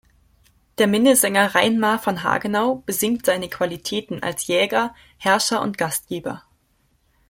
Der Minnesänger Reinmar von Hagenau besingt seine Qualitäten als Jäger, Herrscher und Gastgeber.